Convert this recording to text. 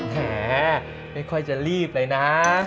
แหมไม่ค่อยจะรีบเลยนะ